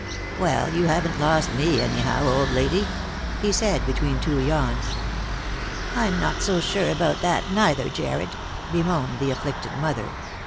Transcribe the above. " Well, you haven't lost me, anyhow, old lady," he said, between two yawns. " I'm not so sure about that neither, Jarred," bemoaned the afflicted mother.